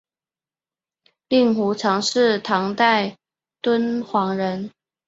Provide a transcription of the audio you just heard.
令狐澄是唐代敦煌人。